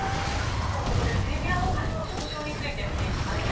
では、ここでクリミア大橋の損傷について見ていきます。